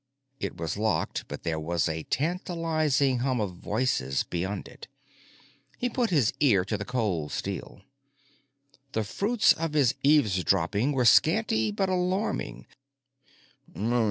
It was locked, but there was a tantalizing hum of voices beyond it. He put his ear to the cold steel. The fruits of his eavesdropping were scanty but alarming.